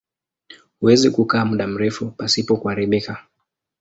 Huweza kukaa muda mrefu pasipo kuharibika.